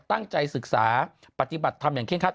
ตั้งใจศึกษาปฏิบัติทำอย่างเค้นทัด